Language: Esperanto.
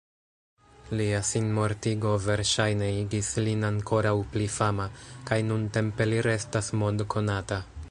Lia sinmortigo verŝajne igis lin ankoraŭ pli fama, kaj nuntempe li restas mond-konata.